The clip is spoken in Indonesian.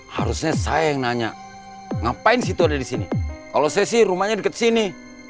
harusnya saya nanya ngapain situ ada di sini kalau sesi rumahnya deket sini